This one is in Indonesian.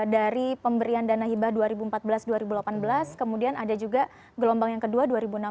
dari pemberian dana hibah dua ribu empat belas dua ribu delapan belas kemudian ada juga gelombang yang kedua dua ribu enam belas